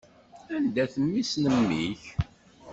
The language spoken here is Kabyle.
Anda-t mmi-s n mmi-k?